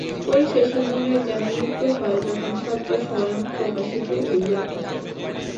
পরিশেষে মনের যেন মৃত্যু হয়, তখন সত্য স্বয়ং প্রকাশিত হইয়া থাকে।